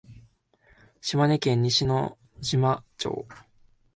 島根県西ノ島町